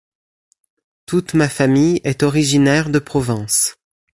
Toute ma famille est originaire de Provence.